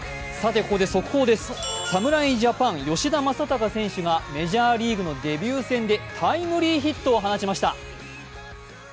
速報です、侍ジャパン吉田正尚選手がメジャーリーグのデビュー戦でタイムリーヒットを放ちました。